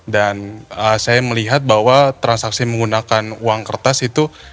dan saya melihat bahwa transaksi menggunakan uang kertas itu